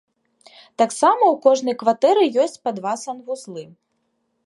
Таксама ў кожнай кватэры ёсць па два санвузлы.